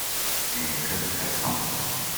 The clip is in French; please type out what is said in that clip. est très intéressante.